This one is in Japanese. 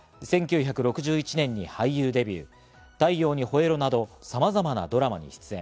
１９６１年に俳優デビュー、『太陽にほえろ！』などさまざまなドラマに出演。